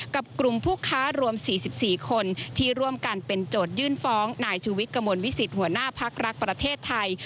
กับกลุ่มผู้ค้ารวม๔๔คนที่ร่วมกันเป็นโจทยื่นฟ้องนายชูวิทย์กระมวลวิสิตหัวหน้าพักรักประเทศไทย